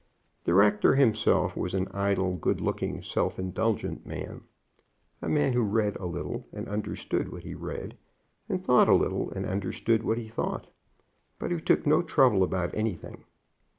The rector himself was an idle, good looking, self indulgent man, a man who read a little and understood what he read, and thought a little and understood what he thought, but who took no trouble about anything.